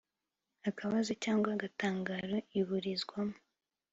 akabazo cyangwa agatangaro iburizwamo